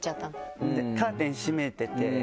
カーテン閉めてて。